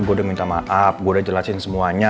gue udah minta maaf gue udah jelasin semuanya